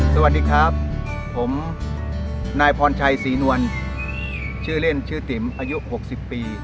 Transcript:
สวัสดีครับผมนายพรชัยศรีนวลชื่อเล่นชื่อติ๋มอายุ๖๐ปี